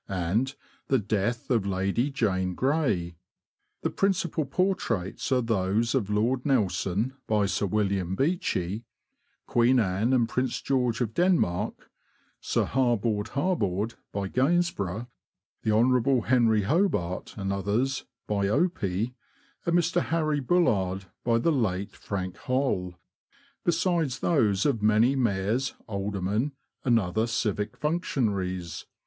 '' and '' The Death of Lady Jane Grey." The principal portraits are those of Lord Nelson, by Sir William Beechey ; Queen Anne and Prince George of Denmark ; Sir Harboard Harboard, by Gainsborough ; Hon. Henry Hobart, and others, by Opie ; and Mr. Harry Bullard, by the late Frank Holl ; besides those of many mayors, aldermen, and other civic functionaries.